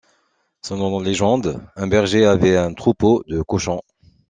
Selon la légende, un berger avait un troupeau de cochons.